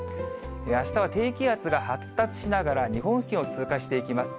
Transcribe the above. あしたは低気圧が発達しながら日本付近を通過していきます。